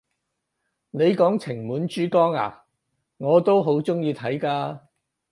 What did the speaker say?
你講情滿珠江咓，我都好鍾意睇㗎！